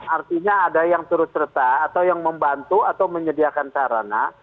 artinya ada yang turut serta atau yang membantu atau menyediakan sarana